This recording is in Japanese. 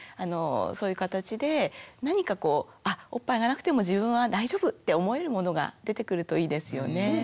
そういう形で何かこうおっぱいがなくても自分は大丈夫って思えるものが出てくるといいですよね。